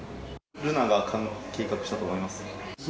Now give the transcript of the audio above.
瑠奈が計画したと思います？